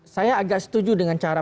saya agak setuju dengan cara